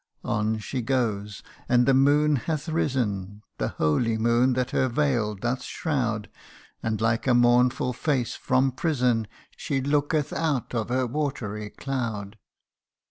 On she goes and the moon hath risen The holy moon that her veil doth shroud ; And like a mournful face from prison, She looketh out of her watery cloud.